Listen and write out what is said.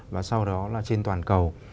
và sau đó là trên toàn cầu